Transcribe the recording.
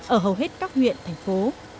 ở hầu hết các huyện thành phố